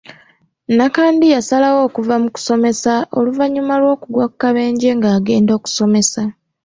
Nakandi yasalawo okuva mu kusomesa oluvannyuma lw'okugwa ku kabenje ng'agenda okusomesa